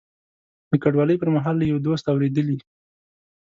د کډوالۍ پر مهال له یوه دوست اورېدلي.